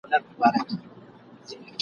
ګل اغزي څانګي اغزي دي ښکاري ایښي دي دامونه ..